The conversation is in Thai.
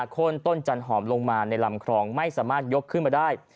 โค้นต้นจันหอมลงมาในลำคลองไม่สามารถยกขึ้นมาได้